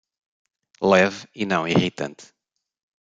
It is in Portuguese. Leve e não irritante